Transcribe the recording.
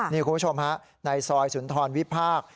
นี่คุณผู้ชมในซอยสุนทรวิภาค